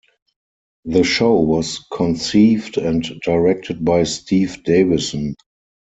The show was conceived and directed by Steve Davison.